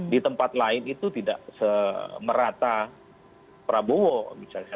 di tempat lain itu tidak semerata prabowo